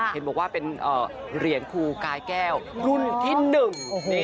เห็นบอกว่าเป็นเหรียญครูกายแก้วรุ่นที่หนึ่ง